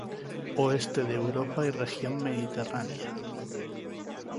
Oeste de Europa y región mediterránea.